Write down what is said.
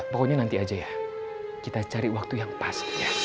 pokoknya nanti aja ya kita cari waktu yang pas